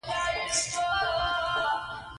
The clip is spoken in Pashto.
دوی په اصل کې د سیکهانو د سلطې پر ضد خلک را وپاڅول.